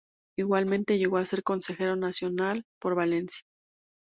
Igualmente llegó a ser Consejero Nacional por Valencia.